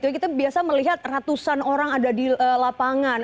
kita biasa melihat ratusan orang ada di lapangan